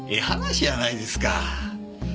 話やないですか。